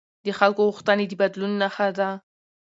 د خلکو غوښتنې د بدلون نښه ده